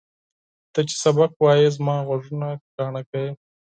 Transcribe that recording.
ته چې درس وایې زما غوږونه کاڼه کوې!